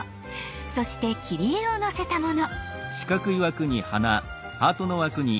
そして切り絵をのせたもの。